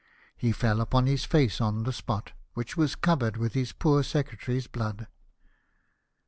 He fell upon his face on the spot which was covered with his poor secretary's blood.